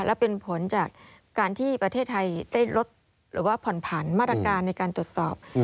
และเป็นผลจากการที่ประเทศไทยได้ลดหรือว่าผ่อนผันมาตรการในการตรวจสอบ